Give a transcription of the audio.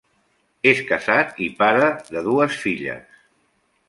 És casat i pare dues filles.